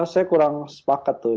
saya kurang sepakat tuh